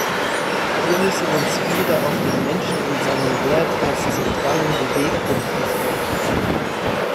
Wir müssen uns wieder auf den Menschen und seinen Wert als zentralen Beweggrund besinnen.